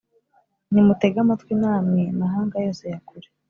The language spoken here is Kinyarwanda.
Nimutege amatwi, namwe mahanga yose ya kure!